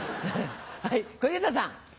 はい小遊三さん。